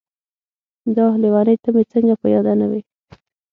داح لېونۍ ته مې څنګه په ياده نه وې.